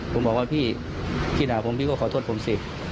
ผมบอกว่าพี่ที่ด่าผมพี่ก็ขอโทษผมสิ